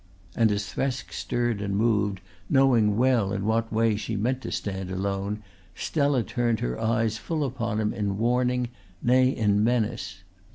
And as Thresk stirred and moved, knowing well in what way she meant to stand alone, Stella turned her eyes full upon him in warning, nay, in menace.